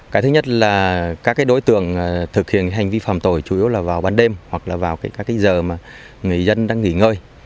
cái thứ nhất là các đối tượng thực hiện hành vi phạm tội chủ yếu là vào ban đêm hoặc là vào các cái giờ mà người dân đang nghỉ ngơi